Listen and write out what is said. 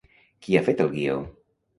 Qui ha fet el guió?